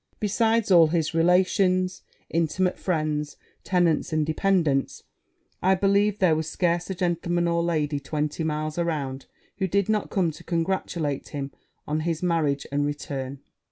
Besides all his relations, intimate friends, tenants, and dependants, I believe there was scarce a gentleman or lady, twenty miles round, who did not come to congratulate him on his marriage and return.